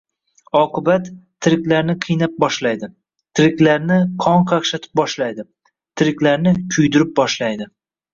— Oqibat, tiriklarni qiynab boshlaydi. Tiriklarni qon-qaqshatib boshlaydi, tiriklarni kuydirib boshlaydi.